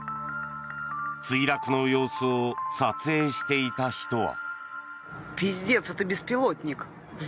墜落の様子を撮影していた人は。